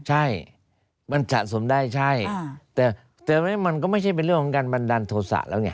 ใช่มันสะสมได้ใช่แต่มันก็ไม่ใช่เป็นเรื่องของการบันดาลโทษะแล้วไง